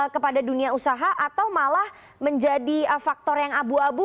kepada dunia usaha atau malah menjadi faktor yang abu abu